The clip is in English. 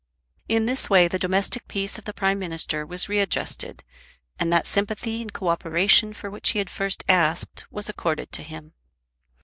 In this way the domestic peace of the Prime Minister was readjusted, and that sympathy and co operation for which he had first asked was accorded to him.